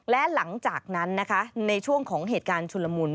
และหลังจากนั้นนะคะในช่วงของเหตุการณ์ชุลมุน